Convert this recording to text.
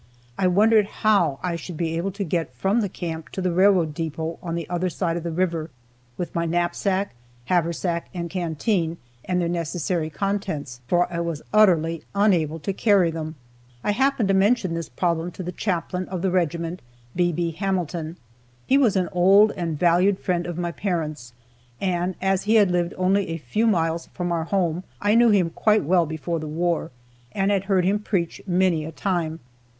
I wondered how I should be able to get from the camp to the railroad depot on the other side of the river, with my knapsack, haversack and canteen, and their necessary contents, for I was utterly unable to carry them. I happened to mention this problem to the chaplain of the regiment, B. B. Hamilton. He was an old and valued friend of my parents, and, as he had lived only a few miles from our home, I knew him quite well before the war, and had heard him preach many a time.